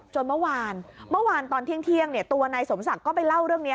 เมื่อวานเมื่อวานตอนเที่ยงตัวนายสมศักดิ์ก็ไปเล่าเรื่องนี้